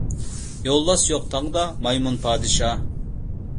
يولۋاس يوق تاغدا مايمۇن پادىشاھ.